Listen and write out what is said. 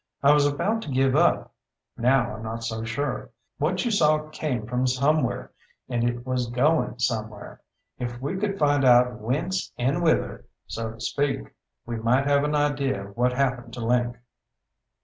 I was about to give up. Now I'm not so sure. What you saw came from somewhere, and it was goin' somewhere. If we could find out whence and whither, so to speak, we might have an idea of what happened to Link."